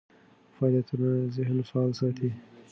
فعالیتونه ذهن فعال ساتي.